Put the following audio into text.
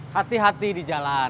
hati hati di jalan